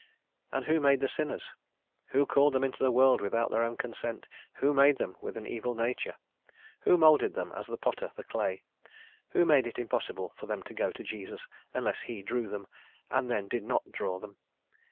And who made the sinners? Who called them into the world without their own consent? Who made them with an evil nature? Who moulded them as the potter the clay? Who made it impossible for them to go to Jesus unless he drew them, and then did not draw them?